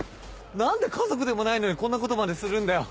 何で家族でもないのにこんなことまでするんだよ。